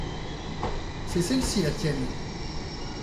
C’est celle-ci la tienne.